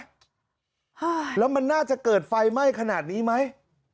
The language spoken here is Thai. ค่ะแล้วมันน่าจะเกิดไฟไหม้ขนาดนี้ไหม